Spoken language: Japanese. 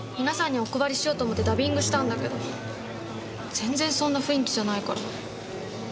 皆さんにお配りしようと思ってダビングしたんだけど全然そんな雰囲気じゃないから。